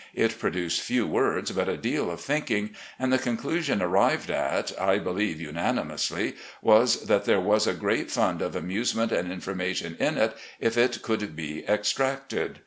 It produced few words but a deal of thinking, and the conclusion arrived at, I believe unani mously, was that there was a great fund of amusement and information in it if it could be extracted.